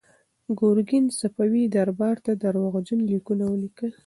ګورګین صفوي دربار ته درواغجن لیکونه ولیکل.